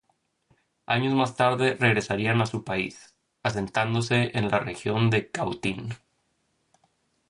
Años más tarde regresarían a su país, asentándose en la región de Cautín.